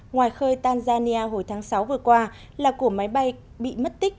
ngoài khơi tanzania hồi tháng sáu vừa qua là của máy bay bị mất tích